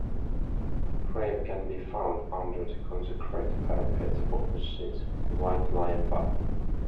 The grave can be found under the concrete parapet opposite the White Lion pub.